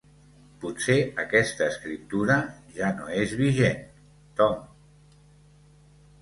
Potser aquesta escriptura ja no és vigent, Tom.